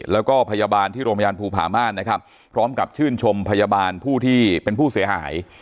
แล้วก็พยาบาลที่โรงพยาบาลภูผาม่านนะครับพร้อมกับชื่นชมพยาบาลผู้ที่เป็นผู้เสียหาย